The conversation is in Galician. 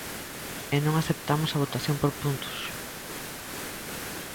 E non aceptamos a votación por puntos.